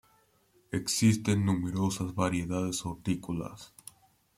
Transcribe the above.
Existen numerosas variedades hortícolas.